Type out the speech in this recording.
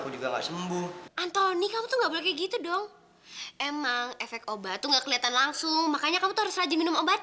ya cobain dikit aja please